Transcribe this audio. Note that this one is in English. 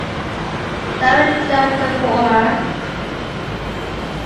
Sara chose the former.